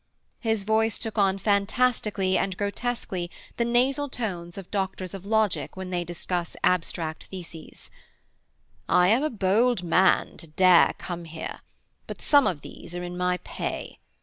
His voice took on fantastically and grotesquely the nasal tones of Doctors of Logic when they discuss abstract theses: 'I am a bold man to dare come here; but some of these are in my pay.